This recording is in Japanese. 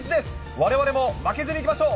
われわれも負けずにいきましょう。